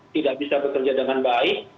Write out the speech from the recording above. tidak bisa bekerja dengan baik